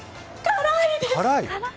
辛いです。